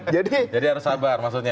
jadi harus sabar maksudnya